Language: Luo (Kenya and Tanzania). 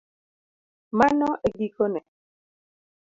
Mano e giko ne